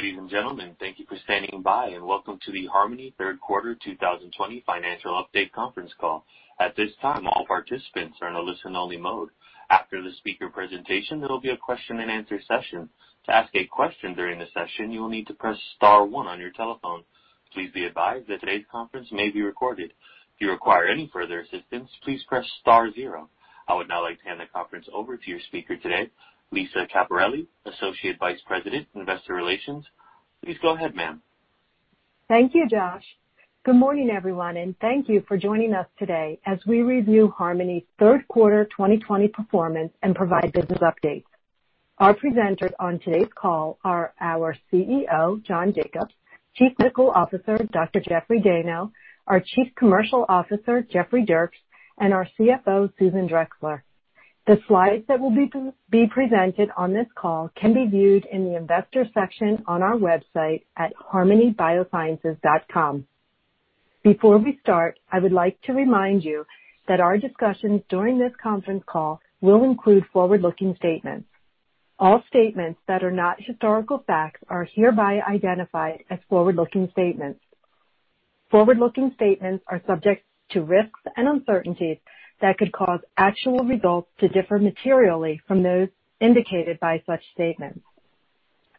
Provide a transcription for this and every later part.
Ladies and gentlemen, thank you for standing by and welcome to the Harmony Third Quarter 2020 Financial Update Conference Call. At this time, all participants are in a listen-only mode. After the speaker presentation, there'll be a question-and-answer session. To ask a question during the session, you will need to press star one on your telephone. Please be advised that today's conference may be recorded. If you require any further assistance, please press star zero. I would now like to hand the conference over to your speaker today, Lisa Caperelli, Associate Vice President, Investor Relations. Please go ahead, ma'am. Thank you, Josh. Good morning, everyone, and thank you for joining us today as we review Harmony's third quarter 2020 performance and provide business updates. Our presenters on today's call are our CEO, John Jacobs, Chief Medical Officer, Dr. Jeffrey Dayno, our Chief Commercial Officer, Jeffrey Dierks, and our CFO, Susan Drexler. The slides that will be presented on this call can be viewed in the Investors section on our website at harmonybiosciences.com. Before we start, I would like to remind you that our discussions during this conference call will include forward-looking statements. All statements that are not historical facts are hereby identified as forward-looking statements. Forward-looking statements are subject to risks and uncertainties that could cause actual results to differ materially from those indicated by such statements.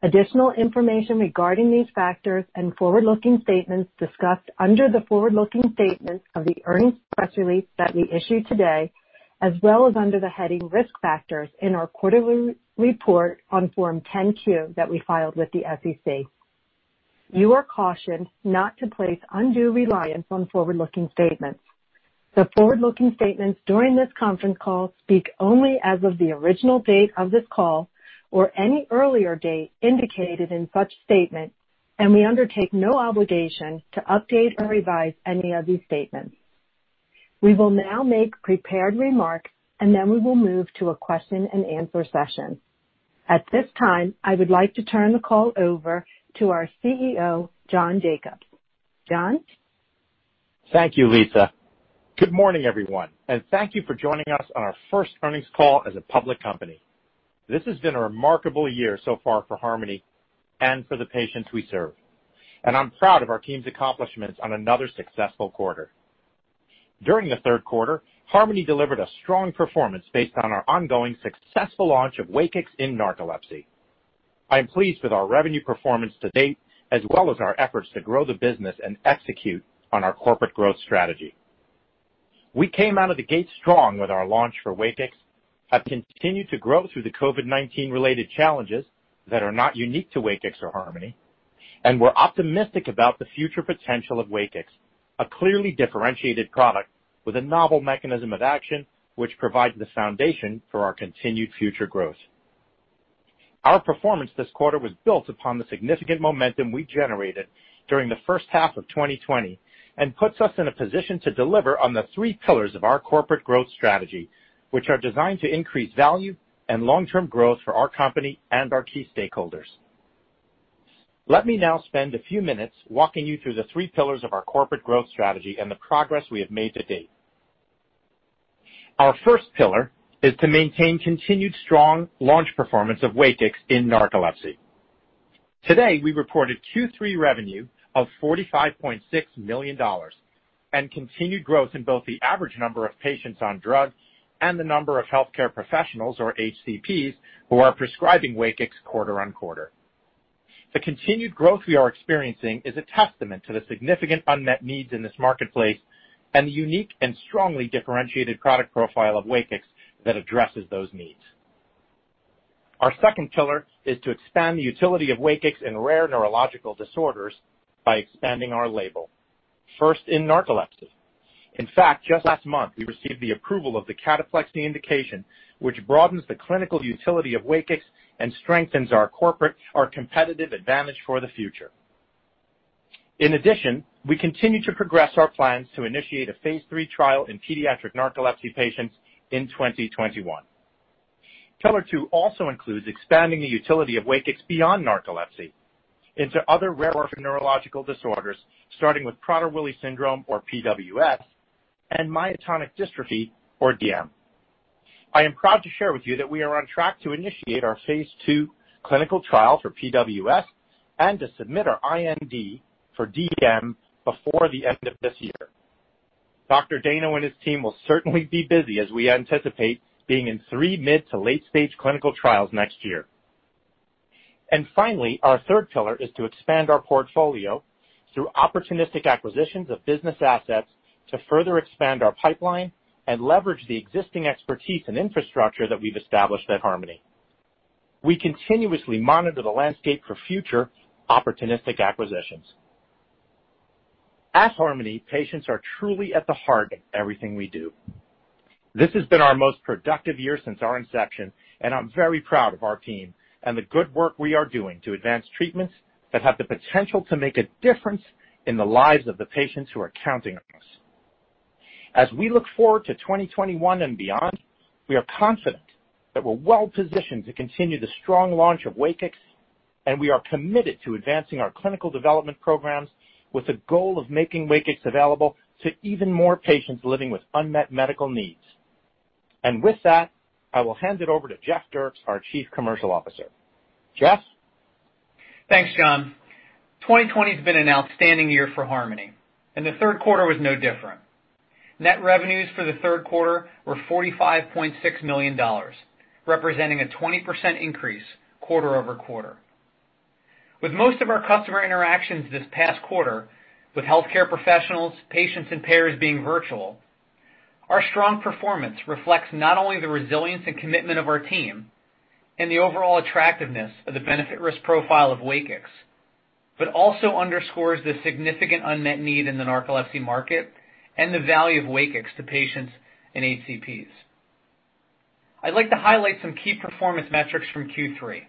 Additional information regarding these factors and forward-looking statements discussed under the forward-looking statements of the earnings press release that we issued today, as well as under the heading Risk Factors in our quarterly report on Form 10-Q that we filed with the SEC. You are cautioned not to place undue reliance on forward-looking statements. The forward-looking statements during this conference call speak only as of the original date of this call or any earlier date indicated in such statement, and we undertake no obligation to update or revise any of these statements. We will now make prepared remarks, and then we will move to a question and answer session. At this time, I would like to turn the call over to our CEO, John Jacobs. John? Thank you, Lisa. Good morning, everyone. Thank you for joining us on our first earnings call as a public company. This has been a remarkable year so far for Harmony and for the patients we serve, and I'm proud of our team's accomplishments on another successful quarter. During the third quarter, Harmony delivered a strong performance based on our ongoing successful launch of WAKIX in narcolepsy. I am pleased with our revenue performance to date, as well as our efforts to grow the business and execute on our corporate growth strategy. We came out of the gate strong with our launch for WAKIX, have continued to grow through the COVID-19 related challenges, that are not unique to WAKIX or Harmony, and we're optimistic about the future potential of WAKIX, a clearly differentiated product with a novel mechanism of action, which provides the foundation for our continued future growth. Our performance this quarter was built upon the significant momentum we generated during the first half of 2020 and puts us in a position to deliver on the three pillars of our corporate growth strategy, which are designed to increase value and long-term growth for our company and our key stakeholders. Let me now spend a few minutes walking you through the three pillars of our corporate growth strategy and the progress we have made to date. Our first pillar is to maintain continued strong launch performance of WAKIX in narcolepsy. Today, we reported Q3 revenue of $45.6 million and continued growth in both the average number of patients on drug and the number of healthcare professionals, or HCPs, who are prescribing WAKIX quarter-on-quarter. The continued growth we are experiencing is a testament to the significant unmet needs in this marketplace and the unique and strongly differentiated product profile of WAKIX that addresses those needs. Our second pillar is to expand the utility of WAKIX in rare neurological disorders by expanding our label, first in narcolepsy. In fact, just last month, we received the approval of the cataplexy indication, which broadens the clinical utility of WAKIX and strengthens our competitive advantage for the future. In addition, we continue to progress our plans to initiate a phase III trial in pediatric narcolepsy patients in 2021. Pillar 2 also includes expanding the utility of WAKIX beyond narcolepsy into other rare orphan neurological disorders, starting with Prader-Willi syndrome, or PWS, and myotonic dystrophy, or DM. I am proud to share with you that we are on track to initiate our phase II clinical trial for PWS and to submit our IND for DM before the end of this year. Dr. Dayno and his team will certainly be busy as we anticipate being in three mid to late-stage clinical trials next year. Finally, our third pillar is to expand our portfolio through opportunistic acquisitions of business assets to further expand our pipeline and leverage the existing expertise and infrastructure that we've established at Harmony. We continuously monitor the landscape for future opportunistic acquisitions. At Harmony, patients are truly at the heart of everything we do. This has been our most productive year since our inception, and I'm very proud of our team and the good work we are doing to advance treatments that have the potential to make a difference in the lives of the patients who are counting on us. As we look forward to 2021 and beyond, we are confident that we're well positioned to continue the strong launch of WAKIX, and we are committed to advancing our clinical development programs with the goal of making WAKIX available to even more patients living with unmet medical needs. With that, I will hand it over to Jeff Dierks, our chief commercial officer. Jeff? Thanks, John. 2020 has been an outstanding year for Harmony, and the third quarter was no different. Net revenues for the third quarter were $45.6 million, representing a 20% increase quarter-over-quarter. With most of our customer interactions this past quarter with healthcare professionals, patients, and payers being virtual, our strong performance reflects not only the resilience and commitment of our team and the overall attractiveness of the benefit risk profile of WAKIX, but also underscores the significant unmet need in the narcolepsy market and the value of WAKIX to patients and HCPs. I'd like to highlight some key performance metrics from Q3.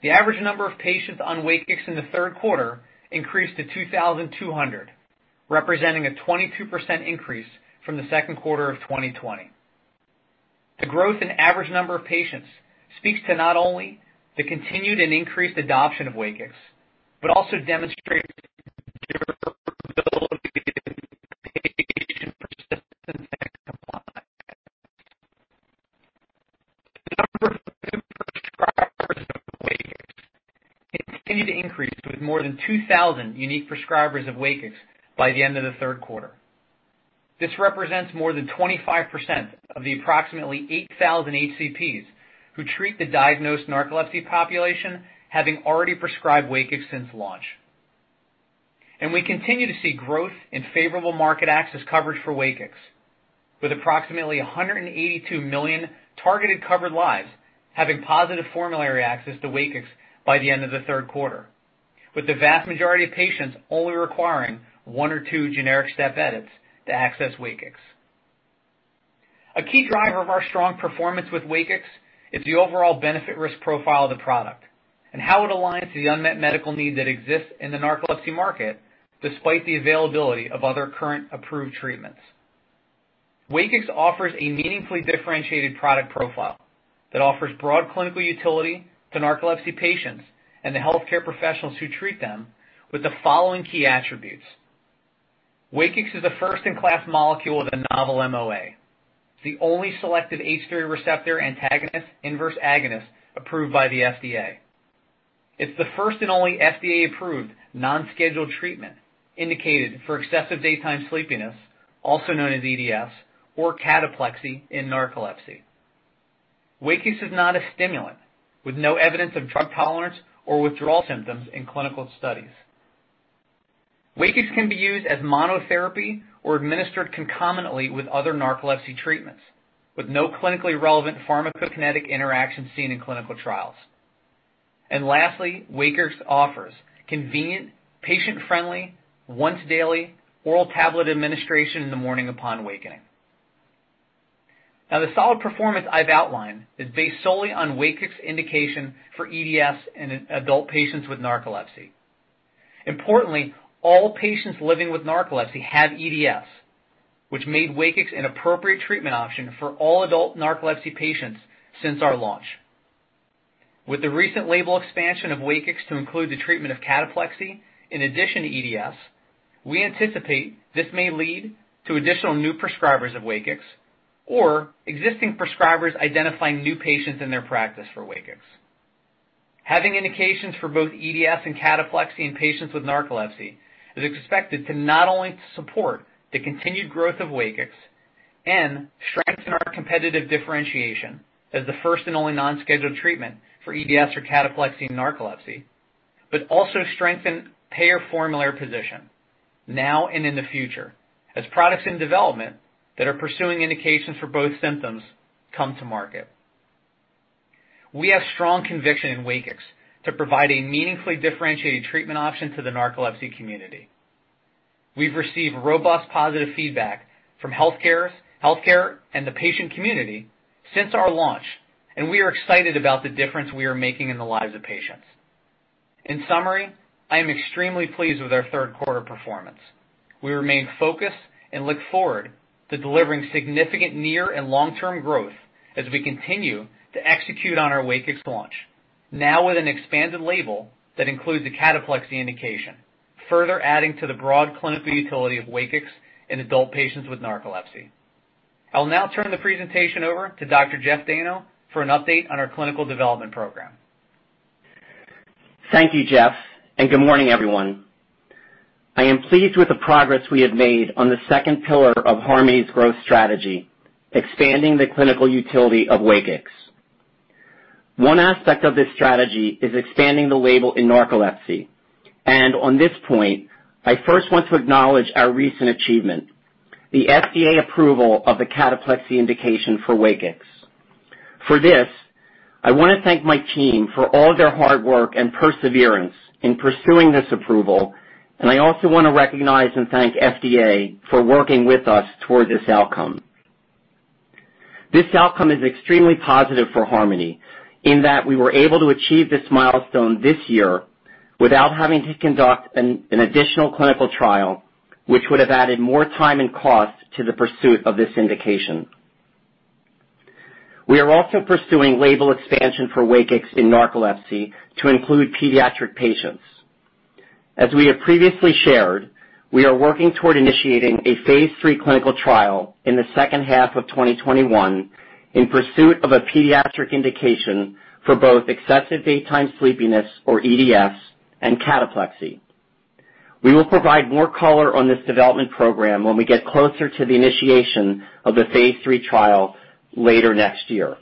The average number of patients on WAKIX in the third quarter increased to 2,200, representing a 22% increase from the second quarter of 2020. The growth in average number of patients speaks to not only the continued and increased adoption of WAKIX, but also demonstrates durability, patient persistence, and compliance. The number of new prescribers of WAKIX continued to increase with more than 2,000 unique prescribers of WAKIX by the end of the third quarter. This represents more than 25% of the approximately 8,000 HCPs who treat the diagnosed narcolepsy population, having already prescribed WAKIX since launch. We continue to see growth in favorable market access coverage for WAKIX with approximately 182 million targeted covered lives having positive formulary access to WAKIX by the end of the third quarter. With the vast majority of patients only requiring one or two generic step edits to access WAKIX. A key driver of our strong performance with WAKIX is the overall benefit risk profile of the product and how it aligns to the unmet medical need that exists in the narcolepsy market, despite the availability of other current approved treatments. WAKIX offers a meaningfully differentiated product profile that offers broad clinical utility to narcolepsy patients and the healthcare professionals who treat them with the following key attributes. WAKIX is a first-in-class molecule with a novel MOA. It's the only selective H3 receptor antagonist/inverse agonist approved by the FDA. It's the first and only FDA-approved non-scheduled treatment indicated for excessive daytime sleepiness, also known as EDS, or cataplexy in narcolepsy. WAKIX is not a stimulant, with no evidence of drug tolerance or withdrawal symptoms in clinical studies. WAKIX can be used as monotherapy or administered concomitantly with other narcolepsy treatments, with no clinically relevant pharmacokinetic interactions seen in clinical trials. Lastly, WAKIX offers convenient, patient-friendly, once-daily oral tablet administration in the morning upon wakening. Now, the solid performance I've outlined is based solely on WAKIX indication for EDS in adult patients with narcolepsy. Importantly, all patients living with narcolepsy have EDS, which made WAKIX an appropriate treatment option for all adult narcolepsy patients since our launch. With the recent label expansion of WAKIX to include the treatment of cataplexy in addition to EDS, we anticipate this may lead to additional new prescribers of WAKIX or existing prescribers identifying new patients in their practice for WAKIX. Having indications for both EDS and cataplexy in patients with narcolepsy is expected to not only support the continued growth of WAKIX and strengthen our competitive differentiation as the first and only non-scheduled treatment for EDS or cataplexy in narcolepsy, but also strengthen payer formulary position now and in the future, as products in development that are pursuing indications for both symptoms come to market. We have strong conviction in WAKIX to provide a meaningfully differentiated treatment option to the narcolepsy community. We've received robust positive feedback from healthcare and the patient community since our launch, and we are excited about the difference we are making in the lives of patients. In summary, I am extremely pleased with our third quarter performance. We remain focused and look forward to delivering significant near and long-term growth as we continue to execute on our WAKIX launch, now with an expanded label that includes a cataplexy indication, further adding to the broad clinical utility of WAKIX in adult patients with narcolepsy. I'll now turn the presentation over to Dr. Jeff Dayno for an update on our clinical development program. Thank you, Jeff. Good morning, everyone. I am pleased with the progress we have made on the second pillar of Harmony's growth strategy, expanding the clinical utility of WAKIX. One aspect of this strategy is expanding the label in narcolepsy, and on this point, I first want to acknowledge our recent achievement, the FDA approval of the cataplexy indication for WAKIX. For this, I want to thank my team for all their hard work and perseverance in pursuing this approval, and I also want to recognize and thank FDA for working with us toward this outcome. This outcome is extremely positive for Harmony in that we were able to achieve this milestone this year without having to conduct an additional clinical trial, which would have added more time and cost to the pursuit of this indication. We are also pursuing label expansion for WAKIX in narcolepsy to include pediatric patients. As we have previously shared, we are working toward initiating a phase III clinical trial in the second half of 2021 in pursuit of a pediatric indication for both excessive daytime sleepiness, or EDS, and cataplexy. We will provide more color on this development program when we get closer to the initiation of the phase III trial later next year.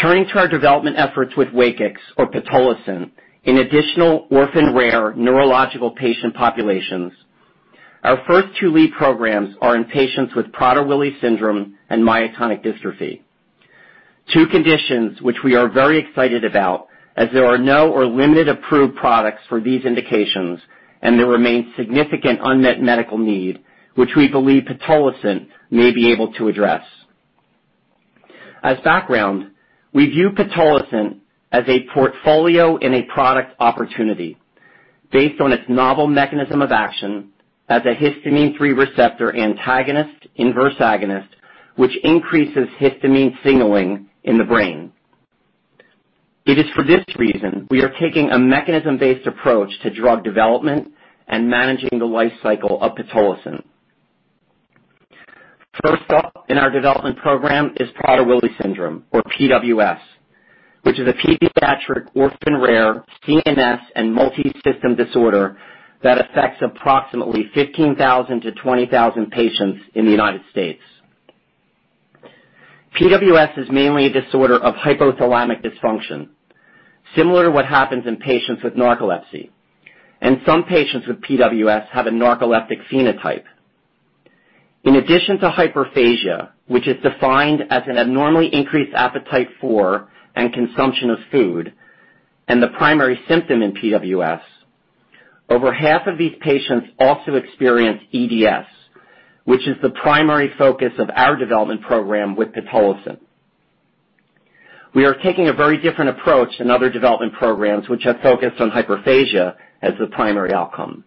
Turning to our development efforts with WAKIX, or pitolisant, in additional orphan rare neurological patient populations. Our first two lead programs are in patients with Prader-Willi syndrome and myotonic dystrophy. Two conditions which we are very excited about as there are no or limited approved products for these indications, and there remains significant unmet medical need, which we believe pitolisant may be able to address. As background, we view pitolisant as a portfolio and a product opportunity based on its novel mechanism of action as a histamine H3 receptor antagonist/inverse agonist, which increases histamine signaling in the brain. It is for this reason we are taking a mechanism-based approach to drug development and managing the life cycle of pitolisant. First up in our development program is Prader-Willi syndrome, or PWS, which is a pediatric orphan rare CNS and multisystem disorder that affects approximately 15,000 to 20,000 patients in the United States. PWS is mainly a disorder of hypothalamic dysfunction, similar to what happens in patients with narcolepsy, and some patients with PWS have a narcoleptic phenotype. In addition to hyperphagia, which is defined as an abnormally increased appetite for, and consumption of food, and the primary symptom in PWS, over half of these patients also experience EDS, which is the primary focus of our development program with pitolisant. We are taking a very different approach than other development programs, which have focused on hyperphagia as the primary outcome.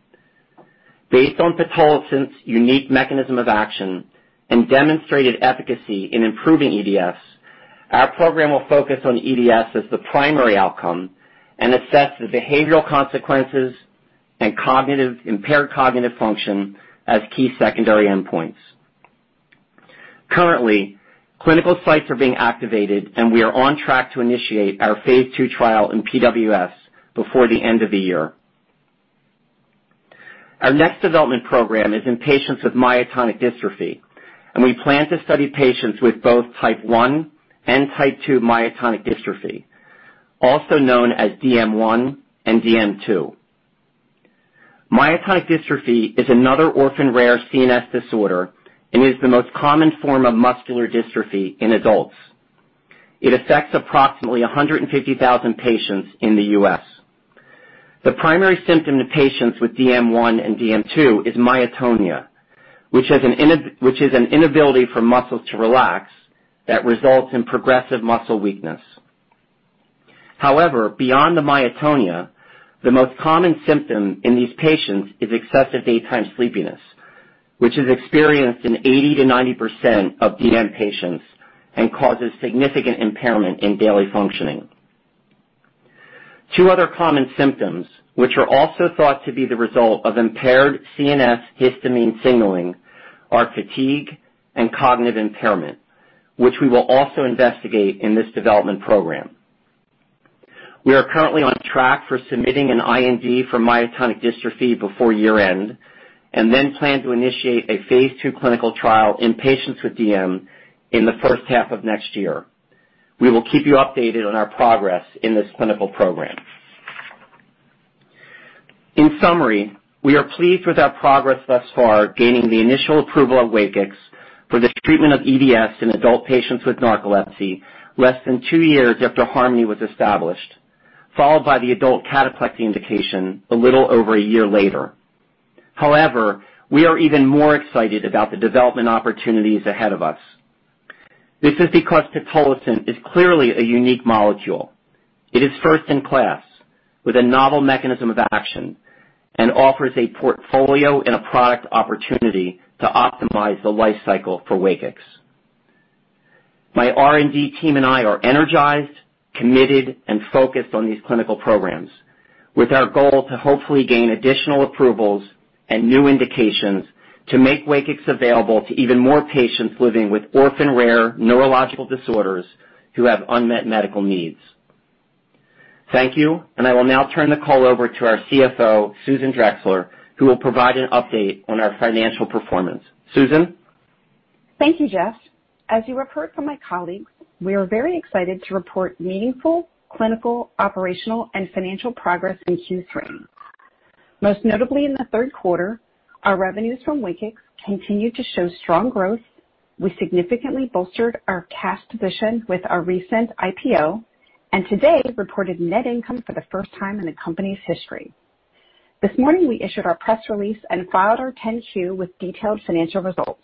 Based on pitolisant's unique mechanism of action and demonstrated efficacy in improving EDS, our program will focus on EDS as the primary outcome and assess the behavioral consequences and impaired cognitive function as key secondary endpoints. Currently, clinical sites are being activated, and we are on track to initiate our phase II trial in PWS before the end of the year. Our next development program is in patients with myotonic dystrophy. We plan to study patients with both type 1 and type 2 myotonic dystrophy, also known as DM1 and DM2. Myotonic dystrophy is another orphan rare CNS disorder and is the most common form of muscular dystrophy in adults. It affects approximately 150,000 patients in the U.S. The primary symptom in patients with DM1 and DM2 is myotonia, which is an inability for muscles to relax that results in progressive muscle weakness. However, beyond the myotonia, the most common symptom in these patients is excessive daytime sleepiness, which is experienced in 80%-90% of DM patients and causes significant impairment in daily functioning. Two other common symptoms, which are also thought to be the result of impaired CNS histamine signaling, are fatigue and cognitive impairment, which we will also investigate in this development program. We are currently on track for submitting an IND for myotonic dystrophy before year-end, and then plan to initiate a phase II clinical trial in patients with DM in the first half of next year. We will keep you updated on our progress in this clinical program. In summary, we are pleased with our progress thus far, gaining the initial approval of WAKIX for the treatment of EDS in adult patients with narcolepsy less than two years after Harmony was established, followed by the adult cataplexy indication a little over a year later. However, we are even more excited about the development opportunities ahead of us. This is because pitolisant is clearly a unique molecule. It is first in class with a novel mechanism of action and offers a portfolio and a product opportunity to optimize the life cycle for WAKIX. My R&D team and I are energized, committed, and focused on these clinical programs, with our goal to hopefully gain additional approvals and new indications to make WAKIX available to even more patients living with orphan rare neurological disorders who have unmet medical needs. Thank you, and I will now turn the call over to our CFO, Susan Drexler, who will provide an update on our financial performance. Susan? Thank you, Jeff. As you have heard from my colleagues, we are very excited to report meaningful clinical, operational, and financial progress in Q3. Most notably in the third quarter, our revenues from WAKIX continued to show strong growth. We significantly bolstered our cash position with our recent IPO and today reported net income for the first time in the company's history. This morning, we issued our press release and filed our 10-Q with detailed financial results.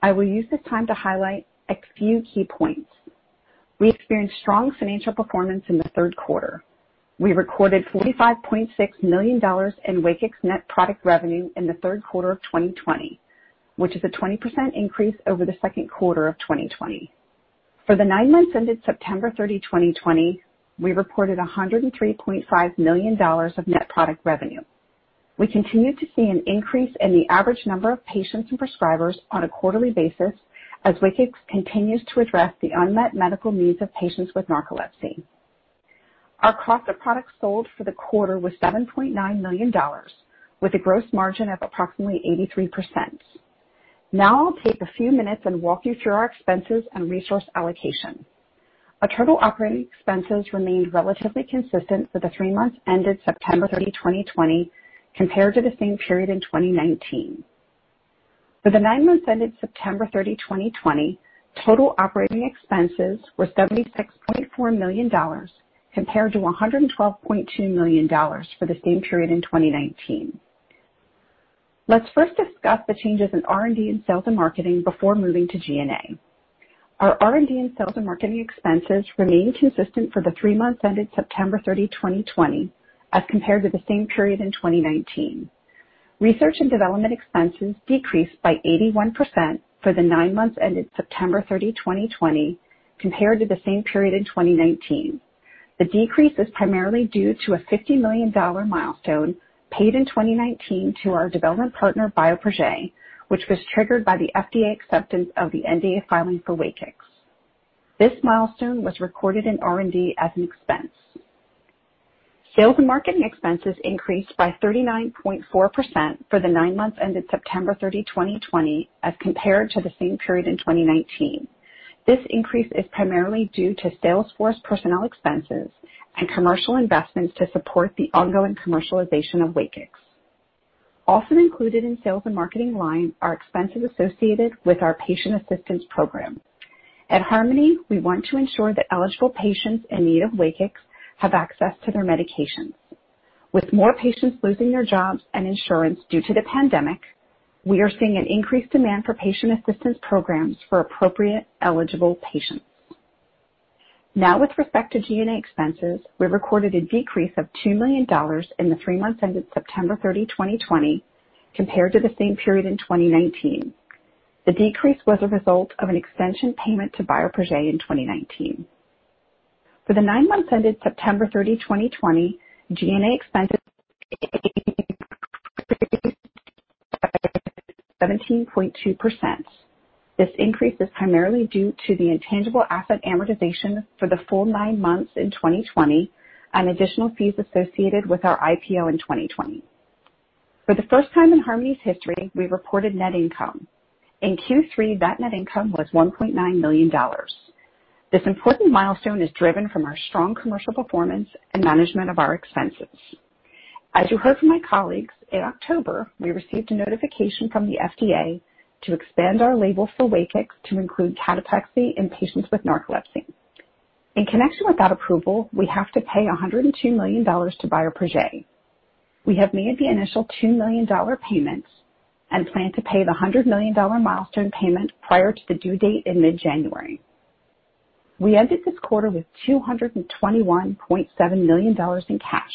I will use this time to highlight a few key points. We experienced strong financial performance in the third quarter. We recorded $45.6 million in WAKIX net product revenue in the third quarter of 2020, which is a 20% increase over the second quarter of 2020. For the nine months ended September 30, 2020, we reported $103.5 million of net product revenue. We continued to see an increase in the average number of patients and prescribers on a quarterly basis as WAKIX continues to address the unmet medical needs of patients with narcolepsy. Our cost of products sold for the quarter was $7.9 million with a gross margin of approximately 83%. I'll take a few minutes and walk you through our expenses and resource allocation. Our total operating expenses remained relatively consistent for the three months ended September 30, 2020, compared to the same period in 2019. For the nine months ended September 30, 2020, total operating expenses were $76.4 million compared to $112.2 million for the same period in 2019. Let's first discuss the changes in R&D and sales and marketing before moving to G&A. Our R&D and sales and marketing expenses remained consistent for the three months ended September 30, 2020, as compared to the same period in 2019. Research and development expenses decreased by 81% for the nine months ended September 30, 2020, compared to the same period in 2019. The decrease is primarily due to a $50 million milestone paid in 2019 to our development partner, Bioprojet, which was triggered by the FDA acceptance of the NDA filing for WAKIX. This milestone was recorded in R&D as an expense. Sales and marketing expenses increased by 39.4% for the nine months ended September 30, 2020, as compared to the same period in 2019. This increase is primarily due to sales force personnel expenses and commercial investments to support the ongoing commercialization of WAKIX. Also included in sales and marketing line are expenses associated with our patient assistance program. At Harmony, we want to ensure that eligible patients in need of WAKIX have access to their medications. With more patients losing their jobs and insurance due to the pandemic, we are seeing an increased demand for patient assistance programs for appropriate eligible patients. Now with respect to G&A expenses, we recorded a decrease of $2 million in the three months ended September 30, 2020, compared to the same period in 2019. The decrease was a result of an extension payment to Bioprojet in 2019. For the nine months ended September 30, 2020, G&A expenses 17.2%. This increase is primarily due to the intangible asset amortization for the full nine months in 2020 and additional fees associated with our IPO in 2020. For the first time in Harmony's history, we reported net income. In Q3, that net income was $1.9 million. This important milestone is driven from our strong commercial performance and management of our expenses. As you heard from my colleagues, in October, we received a notification from the FDA to expand our label for WAKIX to include cataplexy in patients with narcolepsy. In connection with that approval, we have to pay $102 million to Bioprojet. We have made the initial $2 million payments and plan to pay the $100 million milestone payment prior to the due date in mid-January. We ended this quarter with $221.7 million in cash,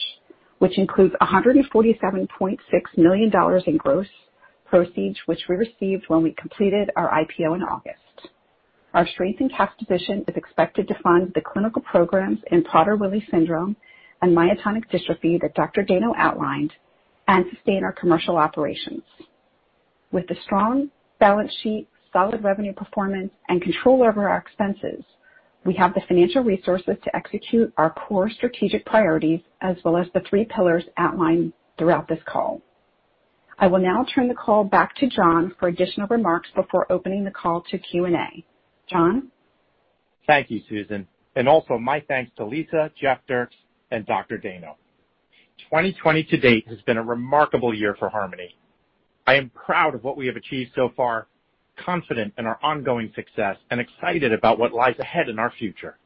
which includes $147.6 million in gross proceeds, which we received when we completed our IPO in August. Our strength in cash position is expected to fund the clinical programs in Prader-Willi syndrome and myotonic dystrophy that Dr. Dayno outlined and sustain our commercial operations. With a strong balance sheet, solid revenue performance, and control over our expenses, we have the financial resources to execute our core strategic priorities as well as the three pillars outlined throughout this call. I will now turn the call back to John for additional remarks before opening the call to Q&A. John? Thank you, Susan. Also my thanks to Lisa, Jeff Dierks, and Dr. Dayno. 2020 to date has been a remarkable year for Harmony. I am proud of what we have achieved so far, confident in our ongoing success, and excited about what lies ahead in our future.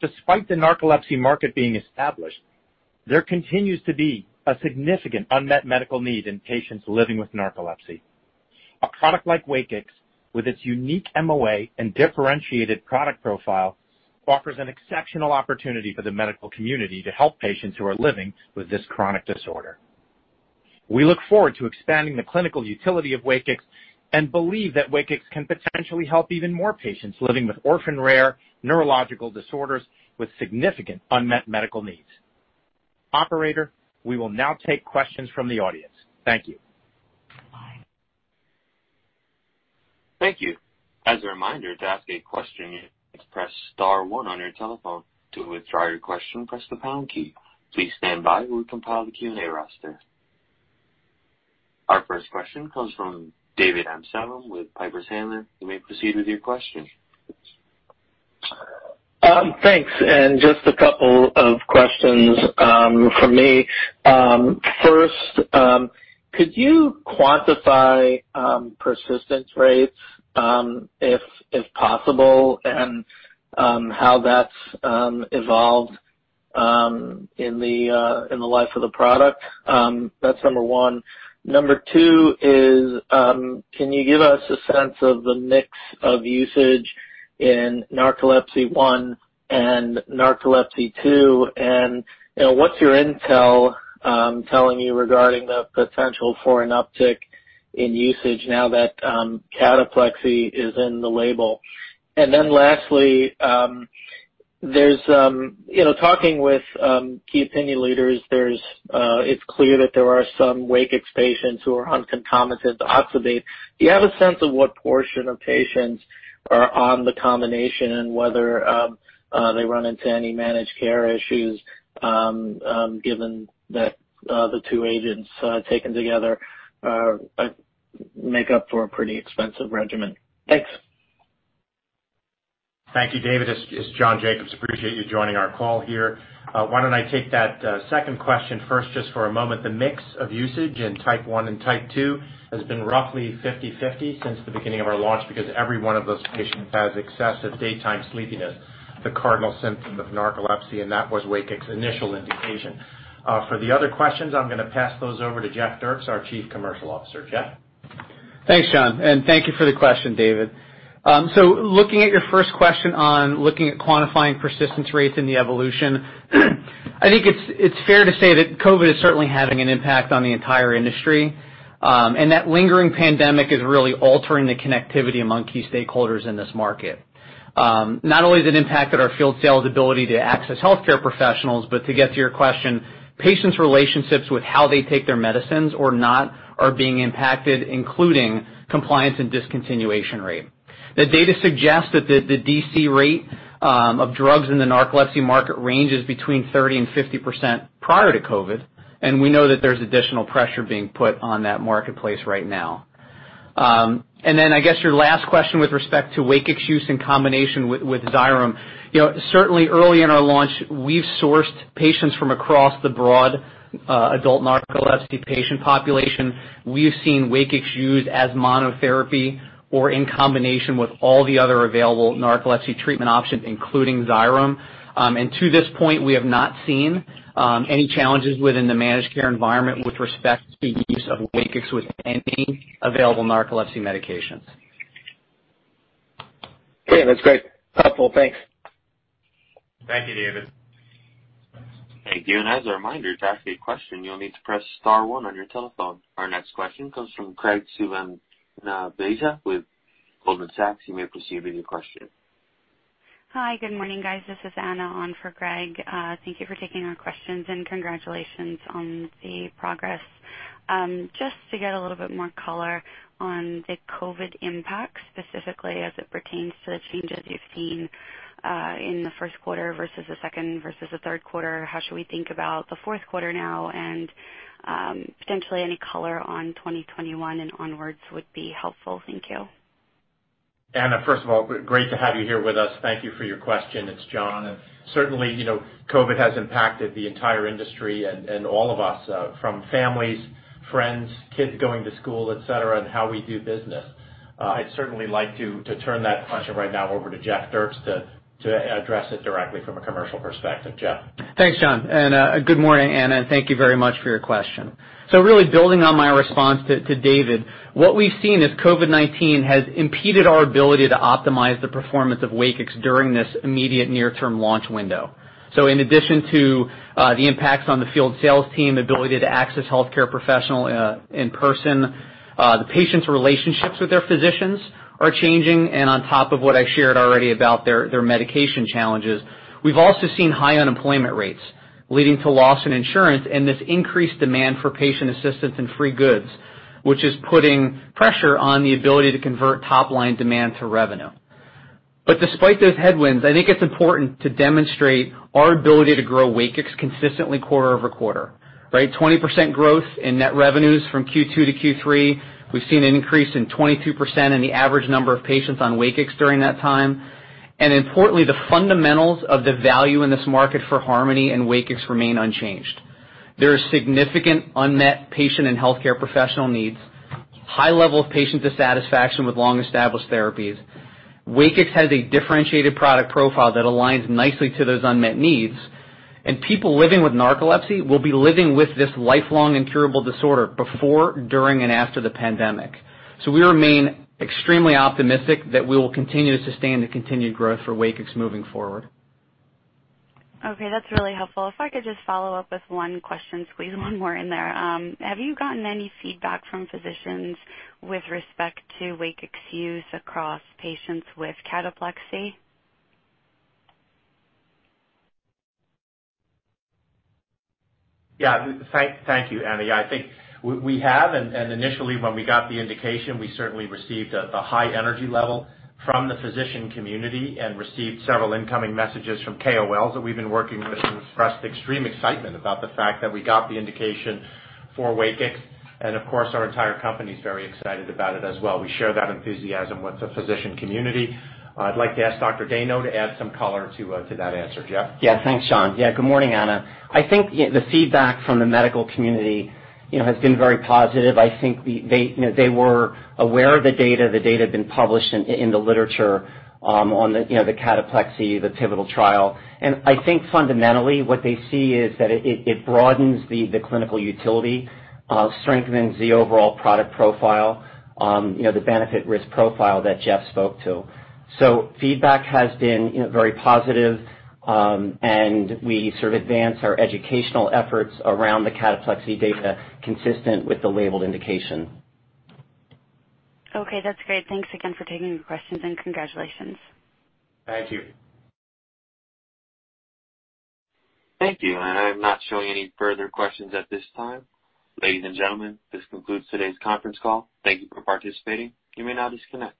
Despite the narcolepsy market being established, there continues to be a significant unmet medical need in patients living with narcolepsy. A product like WAKIX, with its unique MOA and differentiated product profile, offers an exceptional opportunity for the medical community to help patients who are living with this chronic disorder. We look forward to expanding the clinical utility of WAKIX and believe that WAKIX can potentially help even more patients living with orphan rare neurological disorders with significant unmet medical needs. Operator, we will now take questions from the audience. Thank you. Bye. Thank you. As a reminder, to ask a question, press star one on your telephone. To withdraw your question, press the pound key. Please stand by while we compile the Q&A roster. Our first question comes from David Amsellem with Piper Sandler. You may proceed with your question. Thanks. Just a couple of questions from me. First, could you quantify persistence rates, if possible, and how that's evolved in the life of the product. That's number 1. Number 2 is, can you give us a sense of the mix of usage in narcolepsy 1 and narcolepsy 2, and what's your intel telling you regarding the potential for an uptick in usage now that cataplexy is in the label? Then lastly, talking with key opinion leaders, it's clear that there are some WAKIX patients who are on concomitant oxybate. Do you have a sense of what portion of patients are on the combination and whether they run into any managed care issues, given that the two agents taken together make up for a pretty expensive regimen? Thanks. Thank you, David. It's John Jacobs. Appreciate you joining our call here. Why don't I take that second question first just for a moment. The mix of usage in type 1 and type 2 has been roughly 50/50 since the beginning of our launch because every one of those patients has excessive daytime sleepiness, the cardinal symptom of narcolepsy, and that was WAKIX's initial indication. For the other questions, I'm going to pass those over to Jeff Dierks, our chief commercial officer. Jeff? Thanks, John, thank you for the question, David. Looking at your first question on looking at quantifying persistence rates in the evolution, I think it's fair to say that COVID is certainly having an impact on the entire industry, and that lingering pandemic is really altering the connectivity among key stakeholders in this market. Not only has it impacted our field sales ability to access healthcare professionals, but to get to your question, patients' relationships with how they take their medicines or not are being impacted, including compliance and discontinuation rate. The data suggests that the DC rate of drugs in the narcolepsy market ranges between 30% and 50% prior to COVID, and we know that there's additional pressure being put on that marketplace right now. I guess your last question with respect to WAKIX use in combination with Xyrem. Certainly early in our launch, we've sourced patients from across the broad adult narcolepsy patient population. We've seen WAKIX used as monotherapy or in combination with all the other available narcolepsy treatment options, including Xyrem. To this point, we have not seen any challenges within the managed care environment with respect to the use of WAKIX with any available narcolepsy medications. Great. That's great. Helpful. Thanks. Thank you, David. Thank you. As a reminder, to ask a question, you'll need to press star one on your telephone. Our next question comes from Graig Suvannavejh with Goldman Sachs. You may proceed with your question. Hi, good morning, guys. This is Anna on for Graig. Thank you for taking our questions and congratulations on the progress. Just to get a little bit more color on the COVID impact, specifically as it pertains to the changes you've seen, in the first quarter versus the second versus the third quarter. How should we think about the fourth quarter now and potentially any color on 2021 and onwards would be helpful. Thank you. Anna, first of all, great to have you here with us. Thank you for your question. It's John. Certainly, COVID has impacted the entire industry and all of us from families, friends, kids going to school, et cetera, and how we do business. I'd certainly like to turn that question right now over to Jeff Dierks to address it directly from a commercial perspective. Jeff? Thanks, John. Good morning, Anna. Thank you very much for your question. Really building on my response to David, what we've seen is COVID-19 has impeded our ability to optimize the performance of WAKIX during this immediate near-term launch window. In addition to the impacts on the field sales team ability to access healthcare professional in person, the patients' relationships with their physicians are changing. On top of what I shared already about their medication challenges, we've also seen high unemployment rates leading to loss in insurance and this increased demand for patient assistance and free goods, which is putting pressure on the ability to convert top-line demand to revenue. Despite those headwinds, I think it's important to demonstrate our ability to grow WAKIX consistently quarter-over-quarter, right. 20% growth in net revenues from Q2 to Q3. We've seen an increase in 22% in the average number of patients on WAKIX during that time. Importantly, the fundamentals of the value in this market for Harmony and WAKIX remain unchanged. There are significant unmet patient and healthcare professional needs, high level of patient dissatisfaction with long-established therapies. WAKIX has a differentiated product profile that aligns nicely to those unmet needs, people living with narcolepsy will be living with this lifelong incurable disorder before, during, and after the pandemic. We remain extremely optimistic that we will continue to sustain the continued growth for WAKIX moving forward. Okay, that's really helpful. I could just follow up with one question, squeeze one more in there. Have you gotten any feedback from physicians with respect to WAKIX use across patients with cataplexy? Yeah. Thank you, Anna. Yeah, I think we have, and initially when we got the indication, we certainly received a high energy level from the physician community and received several incoming messages from KOLs that we've been working with who expressed extreme excitement about the fact that we got the indication for WAKIX, and of course, our entire company's very excited about it as well. We share that enthusiasm with the physician community. I'd like to ask Dr. Dayno to add some color to that answer. Jeff? Yeah. Thanks, John. Yeah, good morning, Anna. I think the feedback from the medical community has been very positive. I think they were aware of the data. The data had been published in the literature on the cataplexy, the pivotal trial. I think fundamentally what they see is that it broadens the clinical utility, strengthens the overall product profile, the benefit risk profile that Jeff spoke to. Feedback has been very positive, and we sort of advance our educational efforts around the cataplexy data consistent with the labeled indication. Okay, that's great. Thanks again for taking the questions and congratulations. Thank you. Thank you. I'm not showing any further questions at this time. Ladies and gentlemen, this concludes today's conference call. Thank you for participating. You may now disconnect.